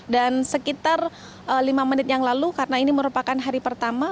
dan sekitar lima menit yang lalu karena ini merupakan hari pertama